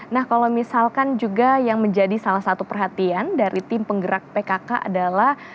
nah kalau misalkan juga yang menjadi salah satu perhatian dari tim penggerak pkk adalah